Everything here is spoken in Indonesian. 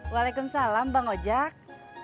waalaikumsalam orang zani